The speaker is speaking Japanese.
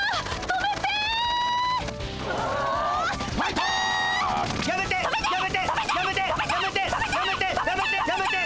止めて！